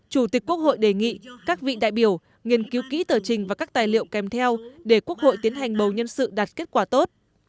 chủ tịch quốc hội đề nghị các vị đại biểu nghiên cứu kỹ tờ trình và các tài liệu kèm theo để quốc hội tiến hành bầu nhân sự đạt kết quả tốt